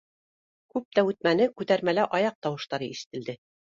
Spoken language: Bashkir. Күп тә үтмәне, күтәрмәлә аяҡ тауыштары ишетелде